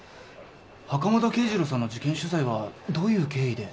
袴田啓二郎さんの事件取材はどういう経緯で？